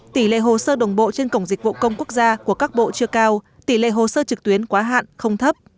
tỷ lệ hồ sơ đồng bộ trên cổng dịch vụ công quốc gia của các bộ chưa cao tỷ lệ hồ sơ trực tuyến quá hạn không thấp